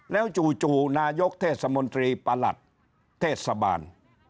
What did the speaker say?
แล้วจู่นายกเทศมนตรีประหลัดเทศบาล